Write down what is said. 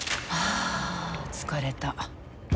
あ疲れた。